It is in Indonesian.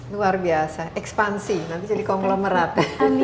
luar biasa ekspansi nanti jadi konglomerat